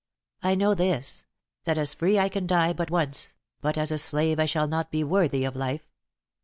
I know this that as free I can die but once; but as a slave I shall not be worthy of life.